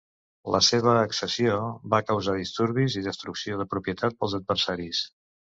La seva accessió va causar disturbis i destrucció de propietat pels adversaris.